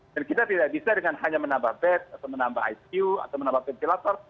dan kita tidak bisa dengan hanya menambah bed atau menambah icu atau menambah ventilator